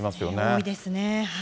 多いですね。